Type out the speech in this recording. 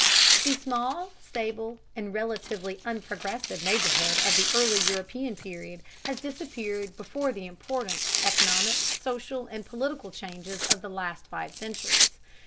The small, stable, and relatively unprogressive neighborhood of the early European period has disappeared before the important economic, social, and political changes of the last five centuries.